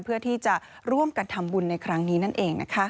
เพื่อที่จะร่วมกันทำบุญในครั้งนี้นั่นเองนะคะ